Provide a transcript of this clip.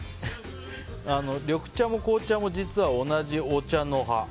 緑茶も紅茶も実は同じお茶の葉。